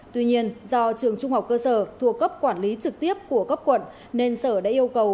tuy nhiên do trường trung học cơ sở thuộc cấp quản lý trực tiếp của cấp quận nên sở đã yêu cầu